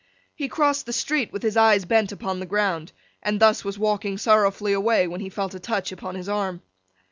He crossed the street with his eyes bent upon the ground, and thus was walking sorrowfully away, when he felt a touch upon his arm.